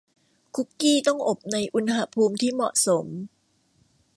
คุกกี้ต้องอบในอุณหภูมิที่เหมาะสม